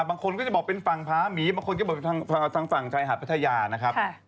บางคนก็จะบอกเป็นฝั่งพาหมีบางคนก็บอกทางฝั่งชายหาดพัทยานะครับ